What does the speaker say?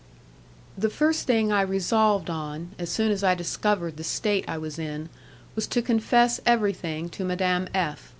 The first thing I resolved on, as soon as I discovered the state I was in, was to confess everything to Madame F